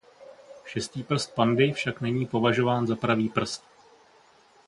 Šestý prst pandy však není považován za pravý prst.